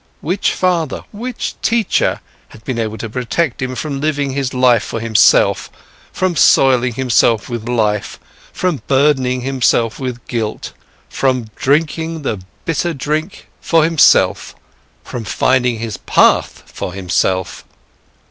Which father, which teacher had been able to protect him from living his life for himself, from soiling himself with life, from burdening himself with guilt, from drinking the bitter drink for himself, from finding his path for himself?